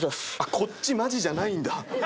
こっちマジじゃないんだ。